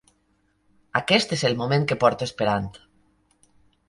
Aquest és el moment que porto esperant.